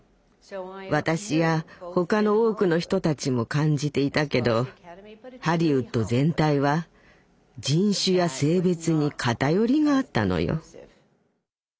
私や他の多くの人たちも感じていたけどハリウッド全体は人種や性別に偏りがあったのよ。